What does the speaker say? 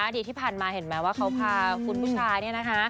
ดีที่ผ่านมาเห็นไหมว่าเขาพาคุณผู้ชายเนี่ยนะคะ